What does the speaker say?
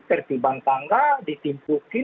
tertibang tangga ditimpukin